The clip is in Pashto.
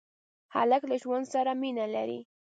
هلک له ژوند سره مینه لري.